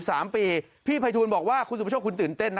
็๑๙๕๕พี่ไภทูลบอกว่าคุณสุโผช่งคุณตื่นเต้น